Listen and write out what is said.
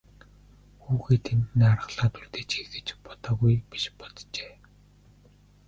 Хүүгээ тэнд нь аргалаад үлдээчихье гэж бодоогүй биш боджээ.